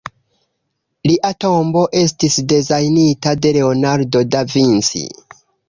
Lia tombo estis dezajnita de Leonardo da Vinci.